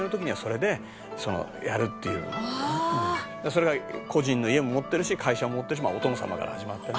「それが個人の家も持ってるし会社も持ってるしお殿様から始まってね」